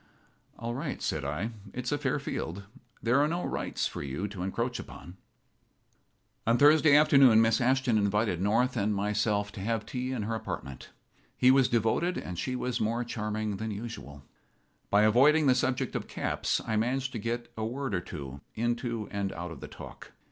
"All right," said I. "It's a fair field. There are no rights for you to encroach upon." On Thursday afternoon Miss Ashton invited North and myself to have tea in her apartment. He was devoted, and she was more charming than usual. By avoiding the subject of caps I managed to get a word or two into and out of the talk.